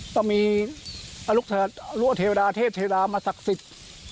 ต้องมีอลุกษะรั่วเทวดาเทศเทวดามาศักดิ์สิทธิ์